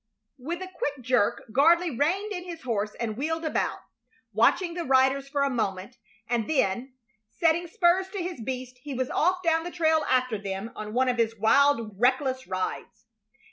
With a quick jerk Gardley reined in his horse and wheeled about, watching the riders for a moment; and then, setting spurs to his beast, he was off down the trail after them on one of his wild, reckless rides.